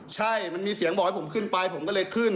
ใช่มันมีเสียงบอกให้ผมขึ้นไปผมก็เลยขึ้น